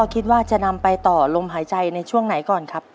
คิดว่าจะนำไปต่อลมหายใจในช่วงไหนก่อนครับ